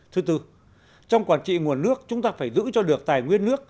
thứ tư trong quản trị nguồn nước chúng ta phải giữ cho được tài nguyên nước